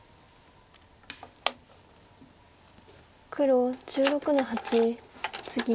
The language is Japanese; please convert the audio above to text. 黒１６の八ツギ。